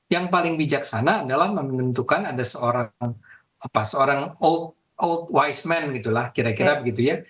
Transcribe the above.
yang paling bijaksana adalah menentukan ada seorang out wiseman gitu lah kira kira begitu ya